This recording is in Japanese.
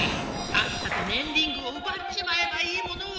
さっさとねんリングをうばっちまえばいいものを！